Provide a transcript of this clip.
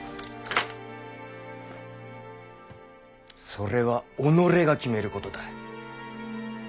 それは己が決めることだ。